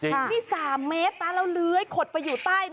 นี่๓เมตรนอนเหลือขดไปอยู่ใต้